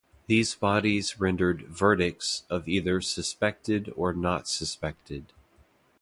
These bodies rendered "verdicts" of either suspected or not suspected.